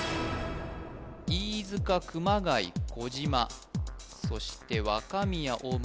飯塚熊谷小島そして若宮大村